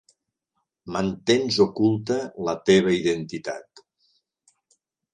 Mantens oculta la teva identitat.